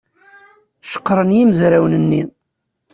Ceqqren yimezrawen-nni.